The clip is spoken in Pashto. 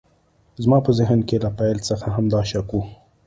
زما په ذهن کې له پیل څخه همدا شک و